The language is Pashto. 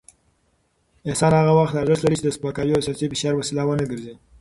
احسان هغه وخت ارزښت لري چې د سپکاوي او سياسي فشار وسیله ونه ګرځي.